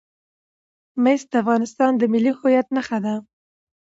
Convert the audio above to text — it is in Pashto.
مس د افغانستان د ملي هویت نښه ده.